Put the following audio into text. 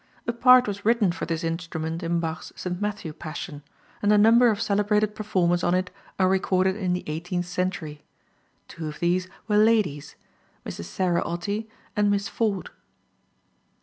A part was written for this instrument in Bach's St. Matthew Passion, and a number of celebrated performers on it are recorded in the eighteenth century. Two of these were ladies, Mrs. Sarah Ottey and Miss Ford.